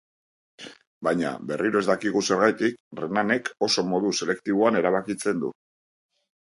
Baina, berriro ez dakigu zergatik, Renanek oso modu selektiboan erabakitzen du.